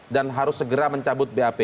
dan harus segera mencabut bap